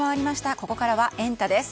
ここからは、エンタ！です。